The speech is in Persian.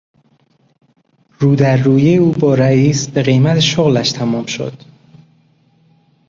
رو در رویی او با رئیس به قیمت شغلش تمام شد.